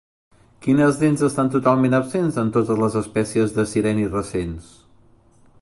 Quines dents estan totalment absents en totes les espècies de sirenis recents?